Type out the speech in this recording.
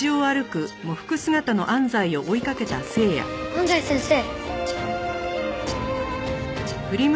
安西先生。